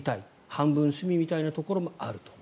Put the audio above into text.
半分趣味みたいなところもあると。